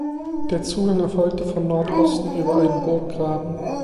Der Zugang erfolgte von Nordosten über einen Burggraben.